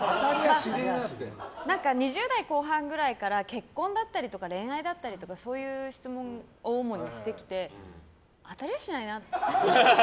何か、２０代後半くらいから結婚だったりとか恋愛だったりとかそういう質問を主にしてきて当たりゃしないなって。